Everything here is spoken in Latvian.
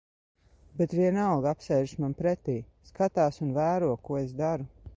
Bet vienalga apsēžas man pretī, skatās un vēro, ko es daru.